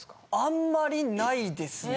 あんまりないですね。